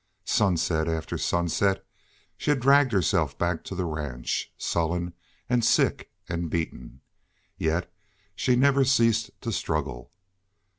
Sunset after sunset she had dragged herself back to the ranch, sullen and sick and beaten. Yet she never ceased to struggle.